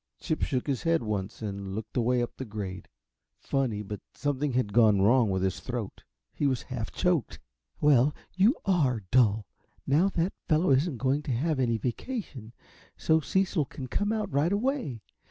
Chip shook his head once and looked away up the grade. Funny, but something had gone wrong with his throat. He was half choked. "Well, you ARE dull! Now that fellow isn't going to have any vacation, so Cecil can come out, right away!